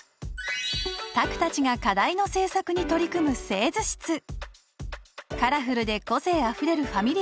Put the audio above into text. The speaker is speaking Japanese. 拓たちが課題の制作に取り組む製図室カラフルで個性あふれるファミリ